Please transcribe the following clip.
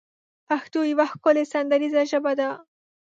پښتو يوه ښکلې سندريزه ژبه ده